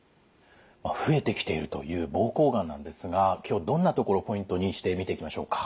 増えてきているという膀胱がんなんですが今日どんなところポイントにして見ていきましょうか。